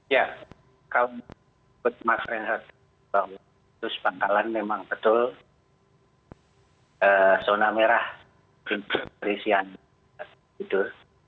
ya kalau menurut mas renhard bangunan kudus bangkalan memang betul zona merah berisian tidur